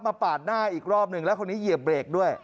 ปาดหน้าอีกรอบหนึ่งแล้วคนนี้เหยียบเบรกด้วย